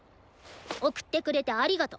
送ってくれてありがと。